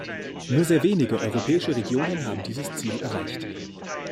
Nur sehr wenige europäische Regionen haben dieses Ziel erreicht.